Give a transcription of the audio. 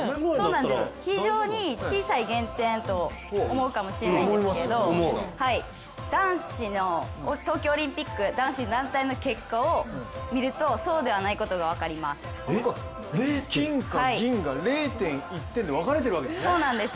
非常に小さい減点と思うかもしれないんですけど東京オリンピック男子団体の結果を見ると金か銀が０．１点で分かれてるんですね。